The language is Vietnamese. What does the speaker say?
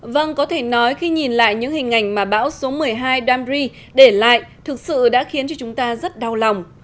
vâng có thể nói khi nhìn lại những hình ảnh mà bão số một mươi hai damri để lại thực sự đã khiến cho chúng ta rất đau lòng